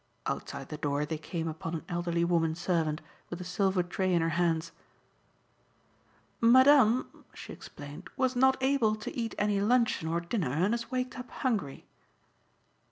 Outside the door they came upon an elderly woman servant with a silver tray in her hands. "Madame," she explained, "was not able to eat any luncheon or dinner and has waked up hungry."